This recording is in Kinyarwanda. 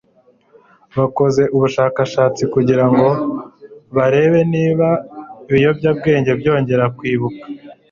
bakoze ubushakashatsi kugirango barebe niba ibiyobyabwenge byongera kwibuka